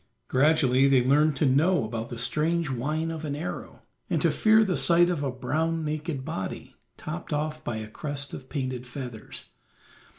Gradually they learned to know about the strange whine of an arrow, and to fear the sight of a brown naked body, topped off by a crest of painted feathers.